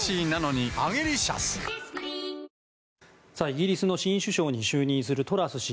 イギリスの新首相に就任するトラス氏。